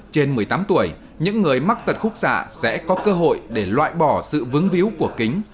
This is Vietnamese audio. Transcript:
trên một mươi tám tuổi những người mắc tật khúc xạ sẽ có cơ hội để loại bỏ sự vứng víu của kính